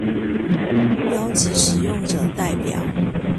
邀集使用者代表